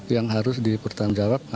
yang harus dipertanggungjawab